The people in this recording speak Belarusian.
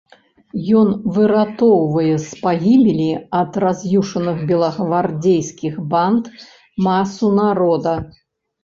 Ён выратоўвае з пагібелі ад раз'юшаных белагвардзейскіх банд масу народа.